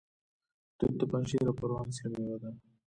توت د پنجشیر او پروان اصلي میوه ده.